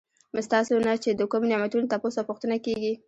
ستاسو نه چې د کومو نعمتونو تپوس او پوښتنه کيږي